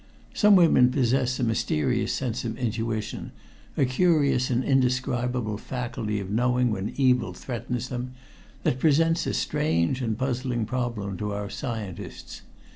Some women possess a mysterious sense of intuition, a curious and indescribable faculty of knowing when evil threatens them, that presents a strange and puzzling problem to our scientists.